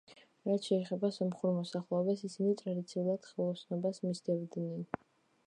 რაც შეეხება სომხურ მოსახლეობას, ისინი, ტრადიციულად, ხელოსნობას მისდევდნენ.